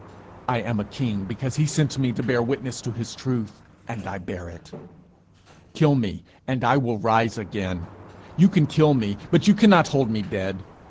I am a king because he sent me to bear witness to his truth, and I bear it. Kill me, and I will rise again. You can kill me, but you cannot hold me dead.